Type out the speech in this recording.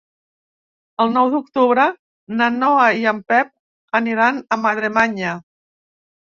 El nou d'octubre na Noa i en Pep aniran a Madremanya.